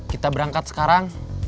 kita berangkat sekarang